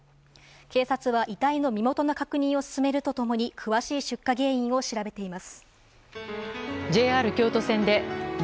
警察は遺体の身元の確認を進めると共に詳しい出火原因を調べています。